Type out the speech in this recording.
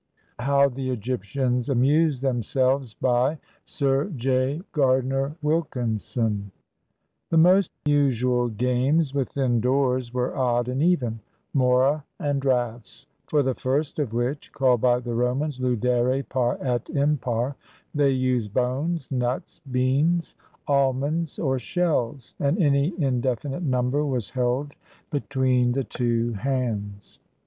HOW THE EGYPTIANS AMUSED THEMSELVES BY SIR J. GARDNER WILKINSON The most usual games within doors were odd and even, mora, and draughts; for the first of which (called by the Romans ludere par et impar) they used bones, nuts beans, ahnonds, or shells: and any indefinite number was held between the two hands.